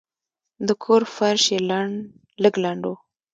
د کور فرش یې لږ لند و.